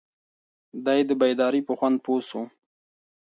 دی د بیدارۍ په خوند پوه شو.